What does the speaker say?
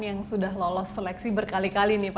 yang sudah lolos seleksi berkali kali